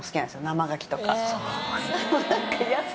生ガキとか。